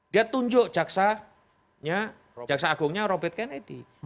dia tunjuk jaksa agungnya robert kennedy